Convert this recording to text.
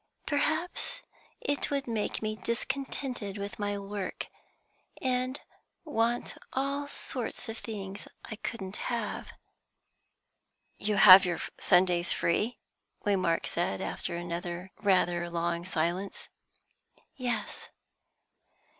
"Perhaps it would make me discontented with my work, and want all sorts of things I couldn't have." "You have your Sundays free?" Waymark said, after another rather long silence. "Yes."